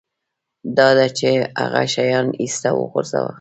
دا ده چې هغه شیان ایسته وغورځوه